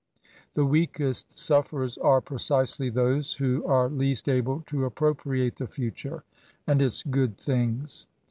'* The weakest ^ufferey s are precisely those who are least abje to approprfa^t^ the future and its good 18 SI»AT». tMngs.